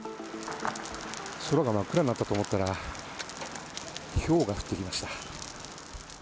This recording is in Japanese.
空が真っ暗になったと思ったら、ひょうが降ってきました。